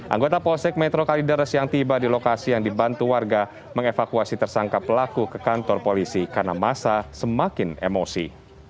anggota polsek metro kalideres yang tiba di lokasi yang dibantu warga mengevakuasi tersangka pelaku ke kantor polisi karena masa semakin emosi